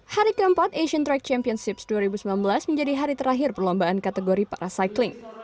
hari keempat asian track championships dua ribu sembilan belas menjadi hari terakhir perlombaan kategori para cycling